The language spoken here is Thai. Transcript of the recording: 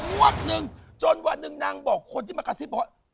งวดนึงจนวันหนึ่งนางบอกคนที่มากระซิบบอกว่า